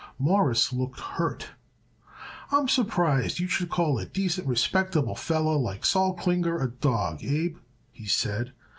Morris looked hurt. "I'm surprised you should call a decent, respectable feller like Sol Klinger a dawg, Abe," he said.